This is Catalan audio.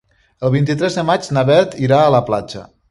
El vint-i-tres de maig na Beth irà a la platja.